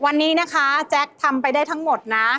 วันนี้นะคะแจ๊คทำไปได้ทั้งหมดนะ